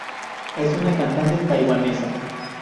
Es una cantante taiwanesa.